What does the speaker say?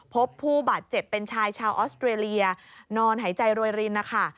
พบผู้บาดเจ็บเป็นชายชาวออสเตรเลียนอนหายใจรวยรินนะคะ